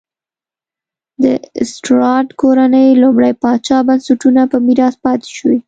د سټورات کورنۍ لومړي پاچا بنسټونه په میراث پاتې شوې.